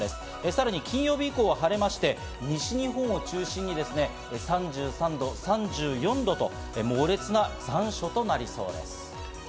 さらに金曜日以降は晴れまして、西日本を中心に３３度、３４度と猛烈な残暑となりそうです。